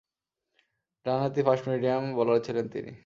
ডানহাতি fast medium bowler ছিলেন তিনি।